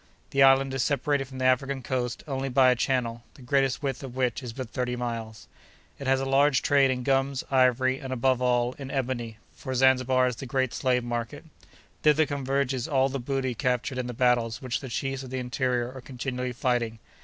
The island is separated from the African coast only by a channel, the greatest width of which is but thirty miles. It has a large trade in gums, ivory, and, above all, in "ebony," for Zanzibar is the great slave market. Thither converges all the booty captured in the battles which the chiefs of the interior are continually fighting.